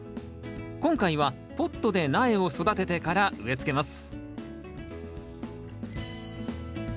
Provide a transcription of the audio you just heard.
今回はポットで苗を育ててから植え付けます